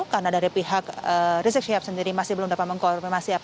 karena dari pihak rizik syihab sendiri masih belum dapat mengkonfirmasi